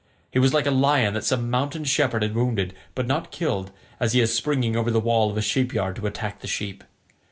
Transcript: He was like a lion that some mountain shepherd has wounded, but not killed, as he is springing over the wall of a sheep yard to attack the sheep.